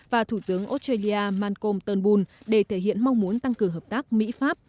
và thủ tướng australia mancom turnbull để thể hiện mong muốn tăng cường hợp tác mỹ pháp